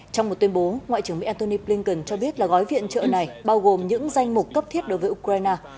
trong một tuyên bố ngoại trưởng mỹ antony blinken cho biết là gói viện trợ này bao gồm những danh mục cấp thiết đối với ukraine